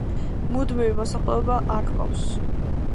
მუდმივი მოსახლეობა არ ჰყავს.